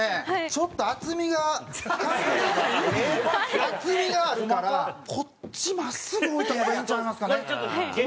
ちょっと厚みが角度が厚みがあるからこっち真っすぐ置いた方がいいんちゃいますかね？